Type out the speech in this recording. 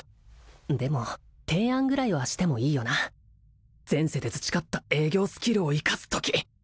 でも提案ぐらいはしてもいいよな前世で培った営業スキルを生かすとき！